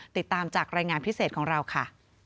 ติดตามจากรายงานพิเศษของเราค่ะ